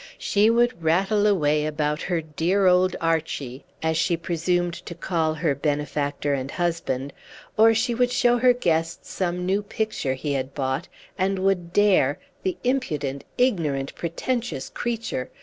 She would rattle away about her "dear old Archy," as she presumed to call her benefactor and husband; or she would show her guests some new picture he had bought, and would dare the impudent, ignorant, pretentious creature!